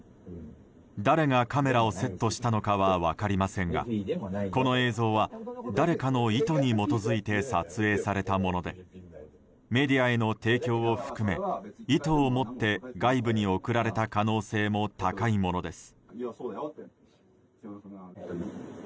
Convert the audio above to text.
誰がカメラをセットしたのかは分かりませんがこの映像は誰かの意図に基づいて撮影されたものでメディアへの提供を含め意図を持って外部に送られた可能性も高いものです。